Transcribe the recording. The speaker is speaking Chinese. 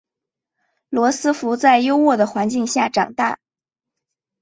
罗斯福在优渥的环境下长大。